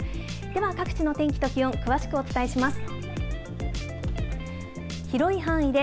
では各地の天気と気温、詳しくお伝えします。